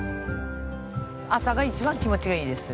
朝が一番気持ちがいいです。